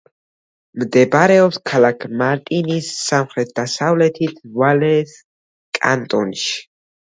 მდებარეობს ქალაქ მარტინის სამხრეთ-დასავლეთით, ვალეს კანტონში.